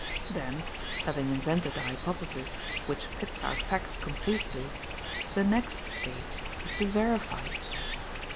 Then, having invented a hypothesis which fits our facts completely, the next stage is to verify it.